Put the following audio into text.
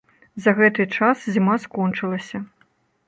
За гэты час зіма скончылася.